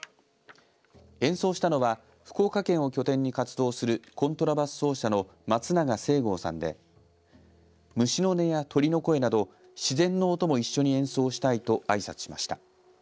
演奏したのは福岡県を拠点に活動するコントラバス奏者の松永誠剛さんで虫の音や鳥の声など自然の音も一緒に演奏したいとあいさつしました。